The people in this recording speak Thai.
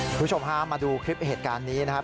คุณผู้ชมฮะมาดูคลิปเหตุการณ์นี้นะครับ